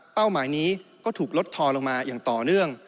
หมายนี้ก็ถูกลดทอลงมาอย่างต่อเนื่อง